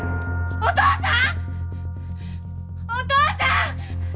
お父さん！